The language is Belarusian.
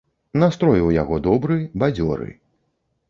Настрой у яго добры, бадзёры.